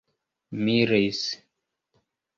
miris